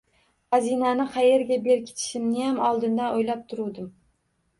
Xazinani qayerga berkitishniyam oldindan o‘ylab turuvdim